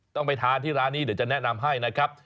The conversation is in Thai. ต้องไปทานที่ร้านนี้เดี๋ยวจะแนะนำให้นะครับ